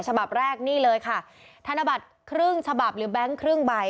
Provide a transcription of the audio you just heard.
ฉบับแรกนี่เลยค่ะธนบัตรครึ่งฉบับหรือแบงค์ครึ่งใบ